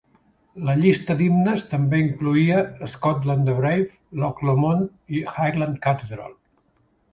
La llista d'himnes també incloïa "Scotland the Brave", "Loch Lomond" i "Highland Cathedral".